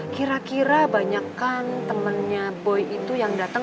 kira kira banyak kan temannya boy itu yang datang